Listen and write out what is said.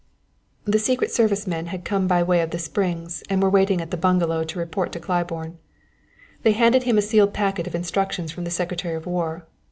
The secret service men had come by way of the Springs, and were waiting at the bungalow to report to Claiborne. They handed him a sealed packet of instructions from the Secretary of War.